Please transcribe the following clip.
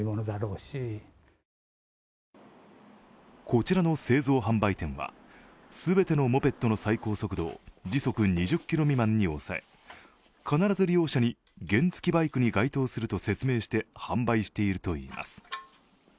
こちらの製造販売店は全てのモペットの最高速度を時速２０キロ未満に抑え、必ず利用者に原付バイクに該当すると説明して販売しているといいます。